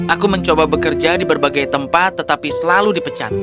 aku mencoba bekerja di berbagai tempat tetapi selalu dipecat